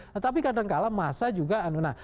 tetapi kadangkala masa juga